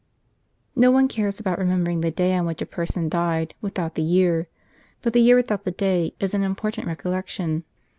c "tj® m No one caves about remembering the day on which a person died, without the year ; but the year without the day, is an important recollection.